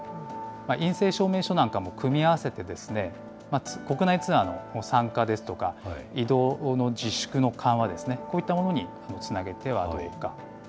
陰性証明書なんかも組み合わせて、国内ツアーの参加ですとか、移動の自粛の緩和、こういったものにもつなげてはどうか。